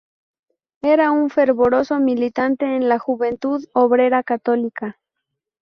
Era un fervoroso militante en la Juventud Obrera Católica.